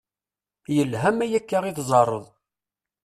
Yelha ma akka i teẓẓareḍ.